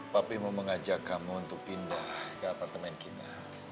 tapi mau mengajak kamu untuk pindah ke apartemen kita